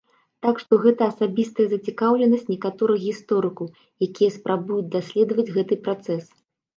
Так што гэта асабістая зацікаўленасць некаторых гісторыкаў, якія спрабуюць даследаваць гэты працэс.